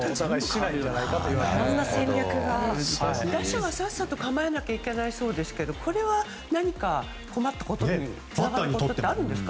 打者はさっさと構えなきゃいけないそうですけどこれは何か困るようなことがあるんですか？